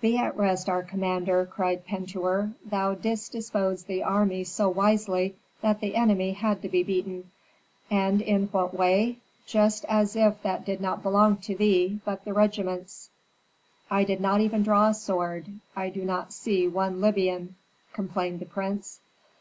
"Be at rest, our commander," said Pentuer. "Thou didst dispose the army so wisely that the enemy had to be beaten. And in what way? Just as if that did not belong to thee, but the regiments." "I did not even draw a sword. I do not see one Libyan," complained the prince.